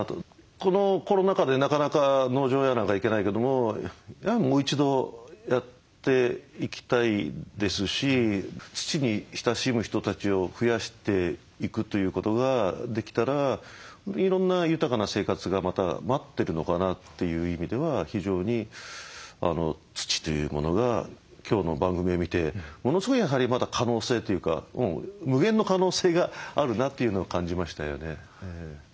このコロナ禍でなかなか農場や何か行けないけどもやはりもう一度やっていきたいですし土に親しむ人たちを増やしていくということができたらいろんな豊かな生活がまた待ってるのかなという意味では非常に土というものが今日の番組を見てものすごいやはりまだ可能性というか無限の可能性があるなというのを感じましたよね。